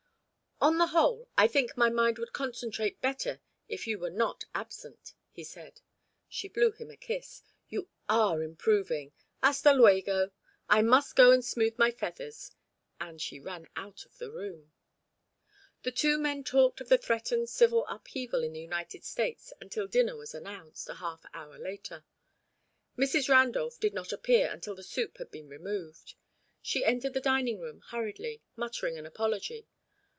"On the whole, I think my mind would concentrate better if you were not absent," he said. She blew him a kiss. "You are improving. Hasta luego! I must go and smooth my feathers." And she ran out of the room. The two men talked of the threatened civil upheaval in the United States until dinner was announced, a half hour later. Mrs. Randolph did not appear until the soup had been removed. She entered the dining room hurriedly, muttering an apology.